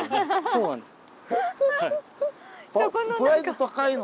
そうなんです。